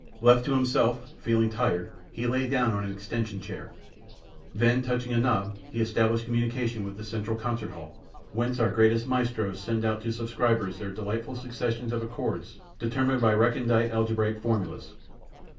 Left to himself, feeling tired, he lay down on an extension chair. Then, touching a knob, he established communication with the Central Concert Hall, whence our greatest maestros send out to subscribers their delightful successions of accords determined by recondite algebraic formulas.